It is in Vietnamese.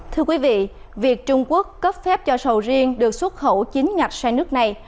thưa quý vị việc trung quốc cấp phép cho sầu riêng được xuất khẩu chính ngạch sang nước này